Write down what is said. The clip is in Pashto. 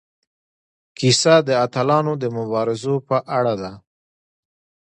کیسه د اتلانو د مبارزو په اړه ده.